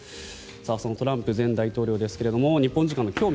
そのトランプ前大統領ですが日本時間の今日